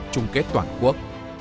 trung kết toàn quốc